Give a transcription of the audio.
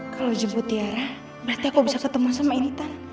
kalau jemput tiara berarti aku bisa ketemu sama inditan